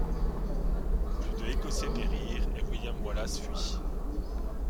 Plus de Écossais périrent, et William Wallace fuit.